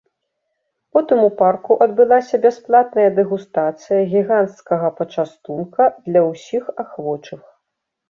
Потым у парку адбылася бясплатная дэгустацыя гіганцкага пачастунка для ўсіх ахвочых.